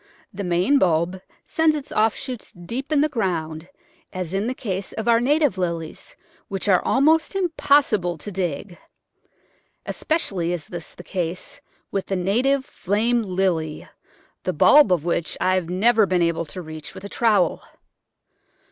The main bulb sends its offshoots deep in the ground, as in the case of our native Lilies, which are almost impossible to dig. Especially is this the case with the native Flame Lily, the bulb of which I have never been able to reach with a trowel.